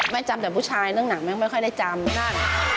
จำแต่ผู้ชายเรื่องหนังแม่งไม่ค่อยได้จำนั่ง